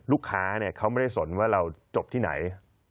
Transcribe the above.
ลูกค้าเขาไม่ได้สนว่าเราจบที่ไหน